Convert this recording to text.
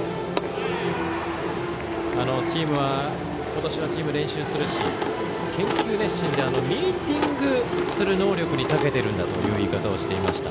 今年のチームは練習するし研究熱心でミーティングする能力にたけているんだという言い方をしていました。